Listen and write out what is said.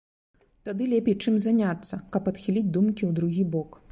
Тады лепей чым заняцца, каб адхіліць думкі ў другі бок.